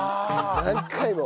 何回も。